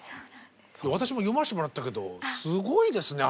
私も読ませてもらったけどすごいですね